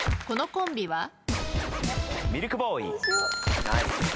このコンビは？